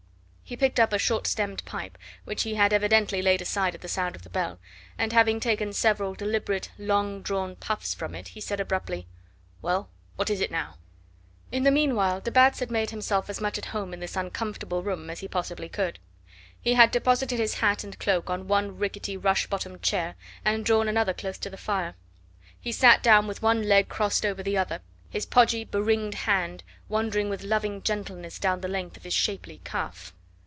He picked up a short stemmed pipe, which he had evidently laid aside at the sound of the bell, and having taken several deliberate long drawn puffs from it, he said abruptly: "Well, what is it now?" In the meanwhile de Batz had made himself as much at home in this uncomfortable room as he possibly could. He had deposited his hat and cloak on one rickety rush bottomed chair, and drawn another close to the fire. He sat down with one leg crossed over the other, his podgy be ringed hand wandering with loving gentleness down the length of his shapely calf.